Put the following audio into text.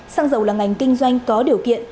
xăng dầu là ngành kinh doanh có điều kiện